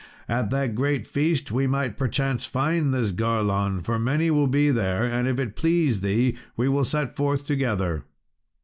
At that great feast we might perchance find out this Garlon, for many will be there; and if it please thee we will set forth together."